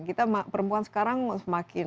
kita perempuan sekarang semakin